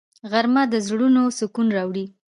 غرمه د زړونو سکون راوړي